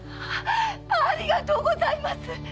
ありがとうございます！